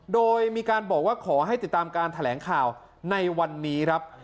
โดยมีการบอกว่าขอให้ติดตามการแถลงข่าวในวันนี้ครับ